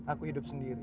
aku hidup sendiri